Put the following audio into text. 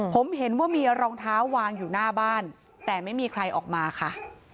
ผมเห็นว่ามีรองเท้าวางอยู่หน้าบ้านแต่ไม่มีใครออกมาค่ะ